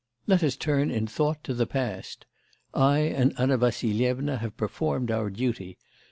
Let us turn in thought to the past. I and Anna Vassilyevna have performed our duty.